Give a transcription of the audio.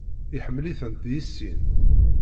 Iḥemmel-iten deg sin.